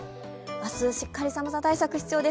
明日、しっかり寒さ対策必要です